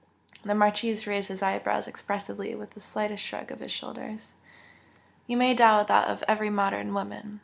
The Marchese raised his eyebrows expressively with the slightest shrug of his shoulders. "You may doubt that of every modern woman!"